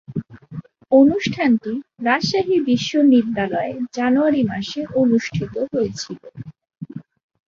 অনুষ্ঠানটি রাজশাহী বিশ্বনিদ্যালয়ে জানুয়ারি মাসে অনুষ্ঠিত হয়েছিলো।